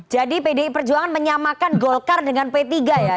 jadi pdi perjuangan menyamakan golkar dengan p tiga ya